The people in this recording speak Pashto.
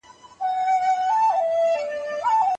تاریخ پوهان جرګه د افغانانو "غیر رسمي پارلمان" بولي.